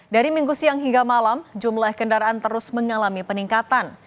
dari minggu siang hingga malam jumlah kendaraan terus mengalami peningkatan